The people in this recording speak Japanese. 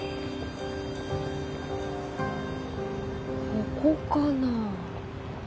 ここかな。